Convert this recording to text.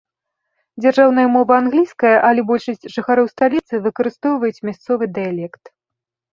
Дзяржаўная мова англійская, але большасць жыхароў сталіцы выкарыстоўваюць мясцовы дыялект.